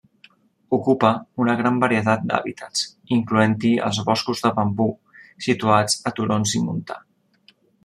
Ocupa una gran varietat d'hàbitats, incloent-hi els boscos de bambú situats a turons i montà.